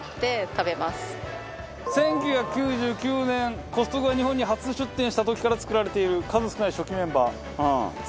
１９９９年コストコが日本に初出店した時から作られている数少ない初期メンバー。